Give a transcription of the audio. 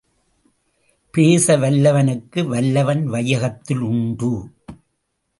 பேசு வல்லவனுக்கு வல்லவன் வையகத்தில் உண்டு.